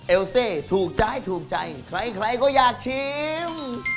เอลเซ่ถูกใจใครก็อยากชิม